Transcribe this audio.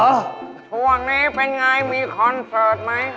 ช่วงนี้เป็นอย่างไรมีคอนเซิร์ตไหม